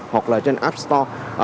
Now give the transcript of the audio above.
hoặc là trên app store